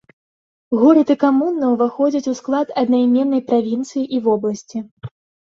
Горад і камуна ўваходзяць у склад аднайменнай правінцыі і вобласці.